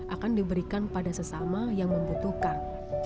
akan diberikan pada sesama yang membutuhkan